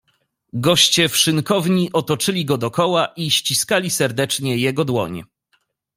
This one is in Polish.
"Goście w szynkowni otoczyli go dokoła i ściskali serdecznie jego dłoń."